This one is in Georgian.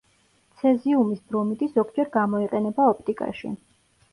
ცეზიუმის ბრომიდი ზოგჯერ გამოიყენება ოპტიკაში.